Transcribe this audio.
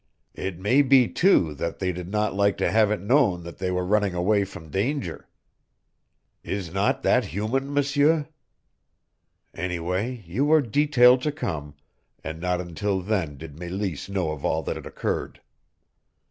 It may be, too, that they did not like to have it known that they were running away from danger. Is not that human, M'seur? Anyway, you were detailed to come, and not until then did Meleese know of all that had occurred."